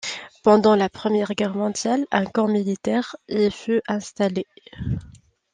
Pendant la Première Guerre mondiale, un camp militaire y fut installé.